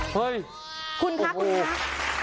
เฮ้ยคุณคะคุณคะ